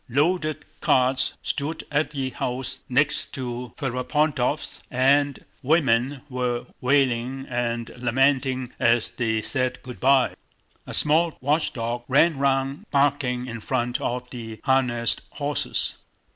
Loaded carts stood at the house next to Ferapóntov's and women were wailing and lamenting as they said good by. A small watchdog ran round barking in front of the harnessed horses.